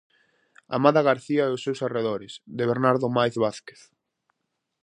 "Amada García e os seus arredores", de Bernardo Máiz Vázquez.